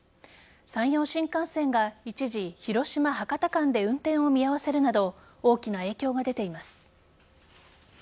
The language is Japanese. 山陽新幹線が一時広島博多間で運転を見合わせるなど大きな影響が出ています。